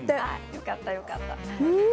よかったよかった。